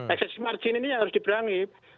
excessive margin ini yang harus diperangi